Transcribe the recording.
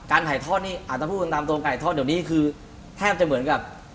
ถ่ายทอดนี่อาจจะพูดตามตรงไก่ทอดเดี๋ยวนี้คือแทบจะเหมือนกับ